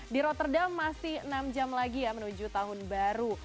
di rotterdam masih enam jam lagi ya menuju tahun baru